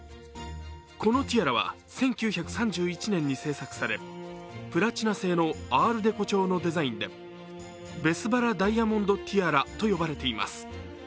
このティアラは１９３１年に制作されプラチナ製のアールデコ調のデザインでベスバラ・ダイヤモンドティアラと呼ばれています。